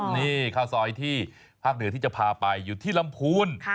นี่ข้าวซอยที่ภาคเหนือที่จะพาไปอยู่ที่ลำพูน